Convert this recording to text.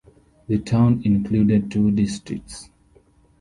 The town included two districts.